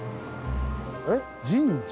えっ「神社」？